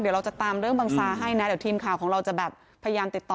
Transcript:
เดี๋ยวเราจะตามเรื่องบังซาให้นะเดี๋ยวทีมข่าวของเราจะแบบพยายามติดต่อ